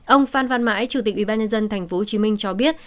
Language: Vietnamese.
ông phan văn mãi chủ tịch ubnd tp hcm cho biết